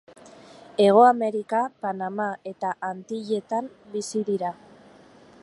Hego Amerika, Panama eta Antilletan bizi dira.